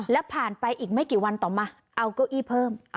และผ่านไปอีกไม่กี่วันต่อมาเอาเก้าอี้เพิ่ม